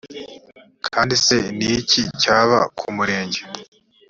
kandi se ni iki cyabaye ku murenge